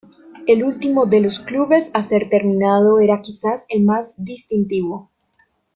El último de los clubes a ser terminado era quizás el más distintivo.